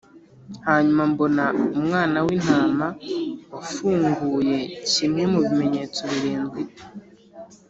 Hanyuma mbona Umwana w intama w afunguye kimwe mu bimenyetso birindwi